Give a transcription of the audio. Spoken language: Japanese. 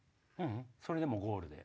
それでもうゴールで。